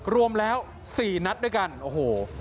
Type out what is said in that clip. รวมแล้ว๔นัดด้วยกันโอ้โห